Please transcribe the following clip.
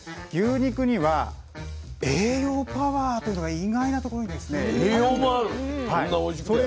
牛肉には栄養パワーというのが意外なところにあるんです。